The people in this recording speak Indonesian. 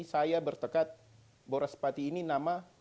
saya bertekad boras pati ini nama